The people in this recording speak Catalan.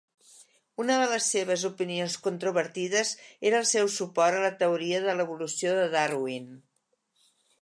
Una de les seves opinions controvertides era el seu suport a la teoria de l'evolució de Darwin.